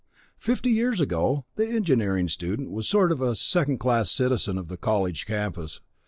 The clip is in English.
Fifty years ago the engineering student was a sort of Second Class Citizen of the college campus.